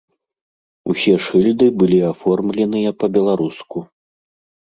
Усе шыльды былі аформленыя па-беларуску.